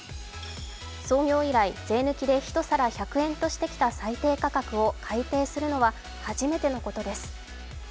創業以来、税抜きで１皿１００円としてきた最低価格を改定するのは初めてのことです。